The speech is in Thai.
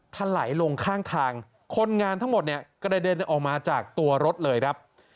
ถลายลงข้างทางคนงานทั้งหมดเนี่ยกระเด็นออกมาจากตัวรถเลยครับ